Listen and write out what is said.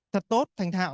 thật tốt thành thạo